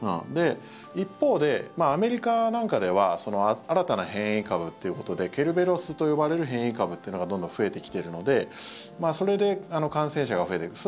一方で、アメリカなんかでは新たな変異株ということでケルベロスと呼ばれる変異株というのがどんどん増えてきているのでそれで感染者が増えている。